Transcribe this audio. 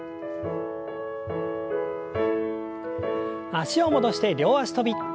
脚を戻して両脚跳び。